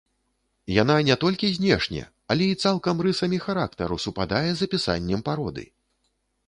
Яна не толькі знешне, але і цалкам рысамі характару супадае з апісаннем пароды!